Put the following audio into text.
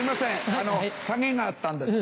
あの下げがあったんです。